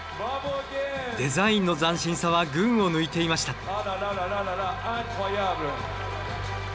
デザインの斬新さは群を抜いていました。